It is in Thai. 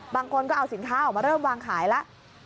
บางคนก็เอาสินค้าออกมาเริ่มวางขายแล้ว